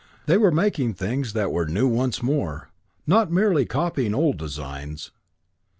They were making things that were new once more, not merely copying old designs.